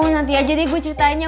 nanti aja deh gue ceritainnya